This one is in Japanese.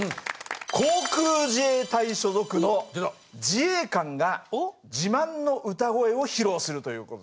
航空自衛隊所属の自衛官が自慢の歌声を披露するということで。